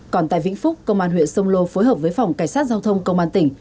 còn tại vĩnh phúc công an huyện sông lô phối hợp với phòng cảnh sát giao thông công an tỉnh